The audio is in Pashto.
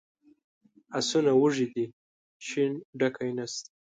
آسونه وږي دي شین ډکی نشته.